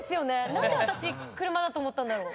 何で私車だと思ったんだろう？